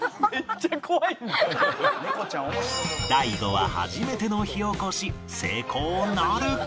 大悟は初めての火起こし成功なるか？